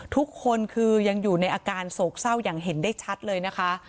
ทุกคนคือยังอยู่ในอาการโศกเศร้าอย่างเห็นได้ชัดเลยนะคะ